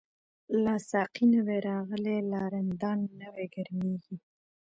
لاسا قی نوی راغلی، لا رندان نوی ګرمیږی